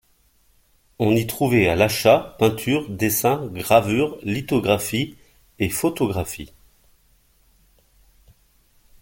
On y trouvait à l'achat peintures, dessins, gravures, lithographies, et photographies.